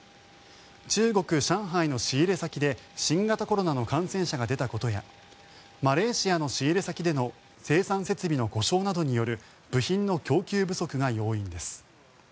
中国・上海の仕入れ先で新型コロナの感染者が出たことやマレーシアの仕入れ先での生産設備の故障などによる部品の供給不足が要因です。